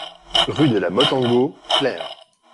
Rue de la Motte Ango, Flers